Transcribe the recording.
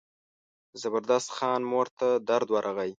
د زبردست خان مور ته درد ورغی.